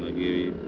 kalau misalkan di